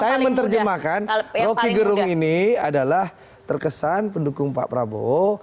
saya menerjemahkan roky gerung ini adalah terkesan pendukung pak prabowo